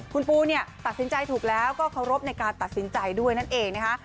คุณปูเนี่ยตัดสินใจถูกแล้วก็เคารพในการตัดสินใจด้วยนั่นเองนะคะ